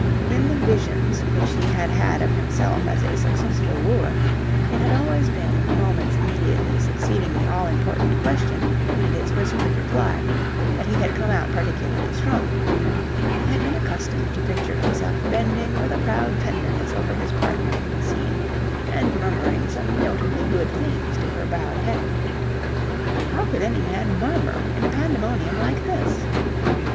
In the visions which he had had of himself as a successful wooer, it had always been in the moments immediately succeeding the all important question and its whispered reply that he had come out particularly strong. He had been accustomed to picture himself bending with a proud tenderness over his partner in the scene and murmuring some notably good things to her bowed head. How could any man murmur in a pandemonium like this.